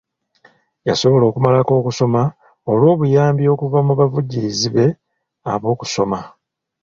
Yasobola okumalako okusoma olw'obuyambi okuva mu bavujjirizi be ab'okusoma.